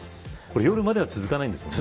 夜までは続かないんですもんね。